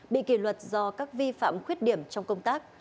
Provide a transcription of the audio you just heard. bị kỷ luật do các vi phạm khuyết điểm trong công tác